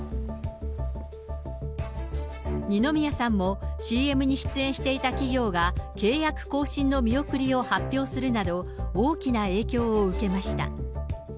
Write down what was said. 二宮さんもＣＭに出演していた企業が、契約更新の見送りを発表するなど、大きな影響を受けました。